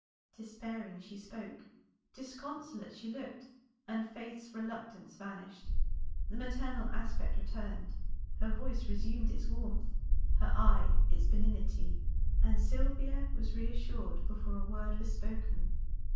Despairing she spoke, disconsolate she looked, and Faith's reluctance vanished. The maternal aspect returned, her voice resumed its warmth, her eye its benignity, and Sylvia was reassured before a word was spoken.